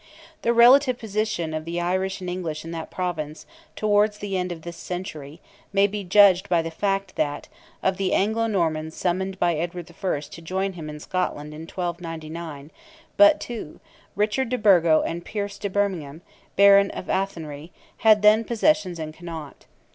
The relative position of the Irish and English in that Province, towards the end of this century, may be judged by the fact, that of the Anglo Normans summoned by Edward I. to join him in Scotland in 1299, but two, Richard de Burgo and Piers de Bermingham, Baron of Athenry, had then possessions in Connaught.